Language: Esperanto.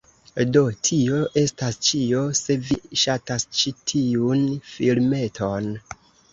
Do tio estas ĉio, se vi ŝatas ĉi tiun filmeton